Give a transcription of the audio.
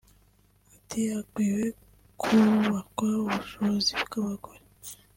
Ati “Hakwiye kubakwa ubushobozi bw’abagore